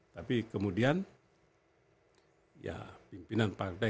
tapi kemudian ya pimpinan partai